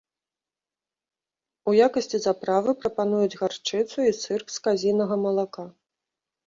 У якасці заправы прапануюць гарчыцу і сыр з казінага малака.